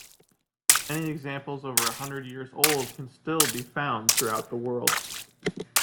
Many examples over a hundred years old can still be found throughout the world.